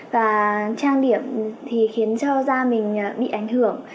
và trang điểm thì khiến cho da mình bị ảnh hưởng